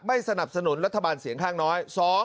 สนับสนุนรัฐบาลเสียงข้างน้อย